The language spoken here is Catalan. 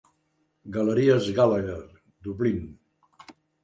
Galeries Gallagher, Dublín.